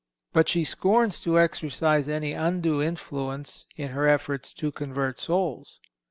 But she scorns to exercise any undue influence in her efforts to convert souls.